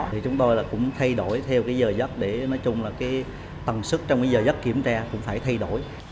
thì chúng tôi là cũng thay đổi theo cái giờ giấc để nói chung là cái tầm sức trong cái giờ giấc kiểm tra cũng phải thay đổi